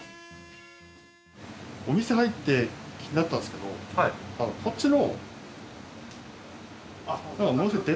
お店入って気になったんですけどこっちの。